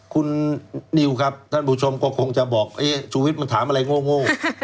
คุณนิวครับท่านผู้ชมก็คงจะบอกชูวิทย์มันถามอะไรโง่